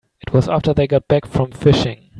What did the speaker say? It was after they got back from fishing.